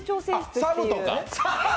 サブとか。